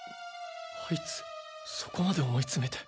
あいつそこまで思い詰めて。